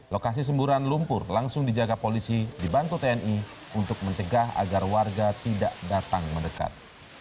lokasi semburan lumpur langsung dijaga polisi dibantu tni untuk mencegah agar warga tidak datang mendekat